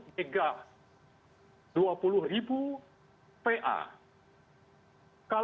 dua puluh mega dua puluh ribu pa